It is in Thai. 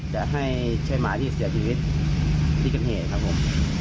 จะให้ใช้หมาที่เสียชีวิตที่เกิดเหตุครับผม